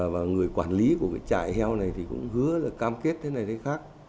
và người quản lý của cái trại heo này thì cũng hứa là cam kết thế này thế khác